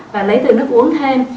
và lấy từ nước uống thêm